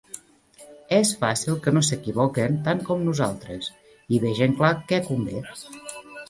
És fàcil que no s'equivoquen tant com nosaltres i vegen clar què convé;